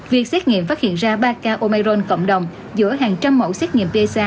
việc xét nghiệm phát hiện ra ba ca omicron cộng đồng giữa hàng trăm mẫu xét nghiệm psa